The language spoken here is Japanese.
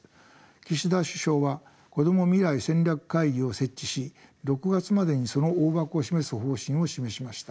岸田首相はこども未来戦略会議を設置し６月までにその大枠を示す方針を示しました。